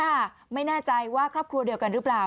ไม่แน่ใจว่าครอบครัวเดียวกันหรือเปล่า